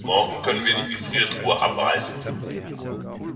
Morgen können wir die Gefriertruhe abeisen.